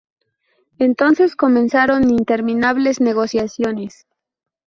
Entonces comenzaron interminables negociaciones.